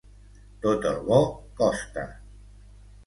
Tot el bo costa.